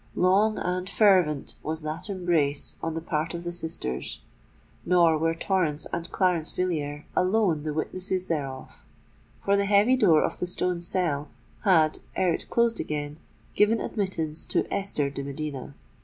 Long and fervent was that embrace on the part of the sisters: nor were Torrens and Clarence Villiers alone the witnesses thereof—for the heavy door of the stone cell had, ere it closed again, given admittance to Esther de Medina.